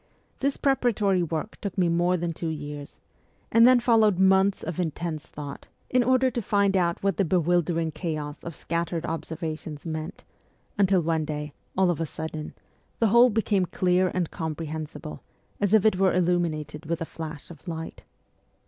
This preparatory work took me more than two years ; and then followed months of intense thought, in order to find out what the bewildering chaos of scattered observations meant, until one day, all of a sudden, the whole became clear and comprehensible, as if it were illuminated with a flash of light.